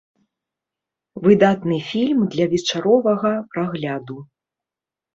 Выдатны фільм для вечаровага прагляду.